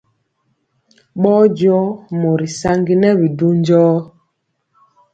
Bɔɔnjɔɔ mori saŋgi nɛ bi du njɔɔ.